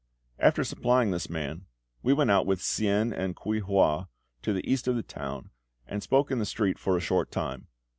After supplying this man, we went out with Tsien and Kuei hua to the east of the town, and spoke in the street for a short time.